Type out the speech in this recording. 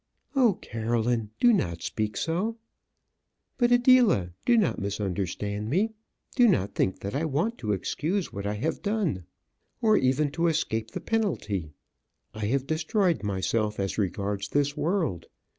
"Oh, Caroline; do not speak so." "But, Adela, do not misunderstand me. Do not think that I want to excuse what I have done; or even to escape the penalty. I have destroyed myself as regards this world.